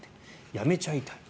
辞めちゃいたい。